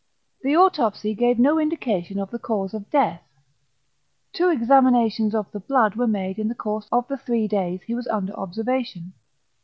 The autopsy gave no indication of the cause of death. Two examinations of the blood were made in the course of the three days he was under observation.